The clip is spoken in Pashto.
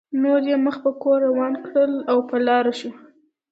نور یې مخ په کور روان کړل او په لاره شو.